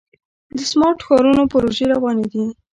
د سمارټ ښارونو پروژې روانې دي.